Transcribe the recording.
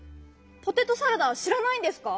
「ポテトサラダ」をしらないんですか？